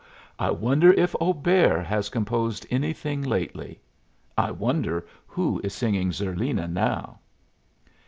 I wonder if Auber has composed anything lately? I wonder who is singing Zerlina now?"